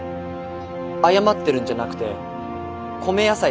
謝ってるんじゃなくて米野菜だったんです。